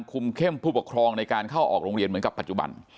คุมเข้มผู้ปกครองในการเข้าออกโรงเรียนเหมือนกับปัจจุบัน